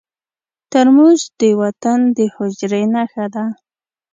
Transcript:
ترموز د وطن د حجرې نښه ده.